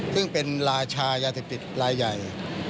ซึ่งเป็นราชายาเสพติดลายใหญ่